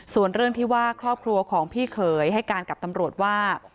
ส่วนเรื่องที่ว่าครอบครัวของพี่เขยให้การกับตำรวจว่า